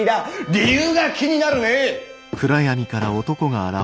理由が気になるね。